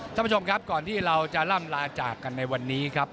ท่านผู้ชมครับก่อนที่เราจะล่ำลาจากกันในวันนี้ครับ